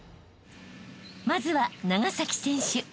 ［まずは長崎選手］